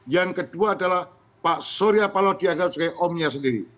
yang kedua adalah pak surya paloh dianggap sebagai omnya sendiri